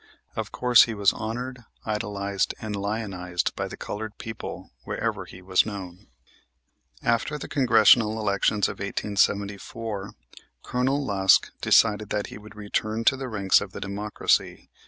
Of course he was honored, idolized and lionized by the colored people wherever he was known. After the Congressional elections of 1874 Colonel Lusk decided that he would return to the ranks of the Democracy.